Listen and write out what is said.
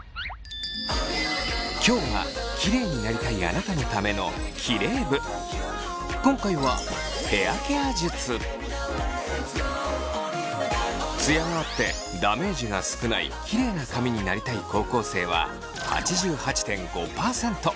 今日はキレイになりたいあなたのための今回はツヤがあってダメージが少ないキレイな髪になりたい高校生は８８．５％。